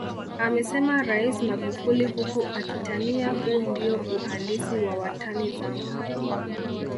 Amesema Rais Magufuli huku akitania huu ndiyo uhandisi wa watani zangu